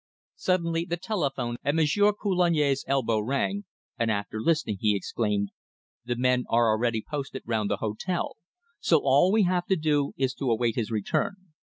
Suddenly the telephone at Monsieur Coulagne's elbow rang, and after listening, he exclaimed: "The men are already posted round the hotel. So all we have to do is to await his return."